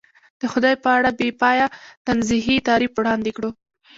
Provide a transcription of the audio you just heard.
د خدای په اړه بې پایه تنزیهي تعریف وړاندې کړو.